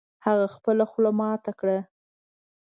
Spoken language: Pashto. هغه خپله خوله ماته کړه